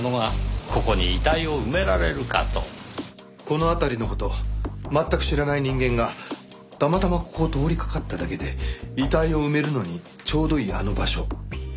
この辺りの事を全く知らない人間がたまたまここを通りかかっただけで遺体を埋めるのにちょうどいいあの場所を発見出来るかって。